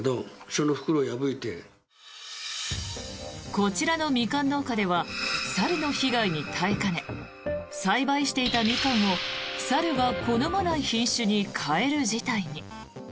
こちらのミカン農家では猿の被害に耐えかね栽培していたミカンを猿が好まない品種に変える事態に。